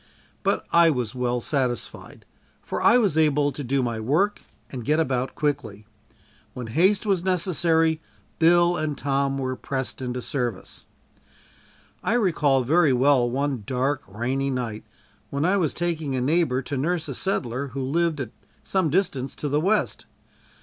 But I was well satisfied, for I was able to do my work and get about quickly. When haste was necessary, Bill and Tom were pressed into service. I recall very well one dark rainy night when I was taking a neighbor to nurse a settler who lived at some distance to the west.